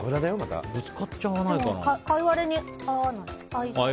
でも、カイワレに合わない。